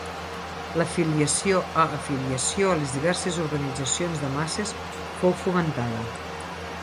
L'afiliació a afiliació a les diverses organitzacions de masses fou fomentada.